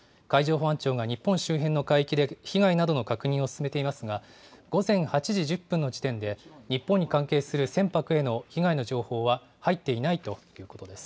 海上保安庁が日本周辺の海域で被害などの確認を進めていますが、午前８時１０分の時点で、日本に関係する船舶への被害の情報は入っていないということです。